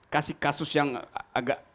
kasih kasus yang agak